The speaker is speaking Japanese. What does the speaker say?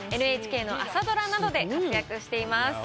ＮＨＫの朝ドラなどで活躍しています。